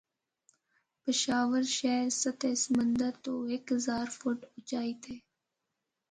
پشاور شہر سطح سمندر تو ہک ہزار فٹ اُچائی تے ہے۔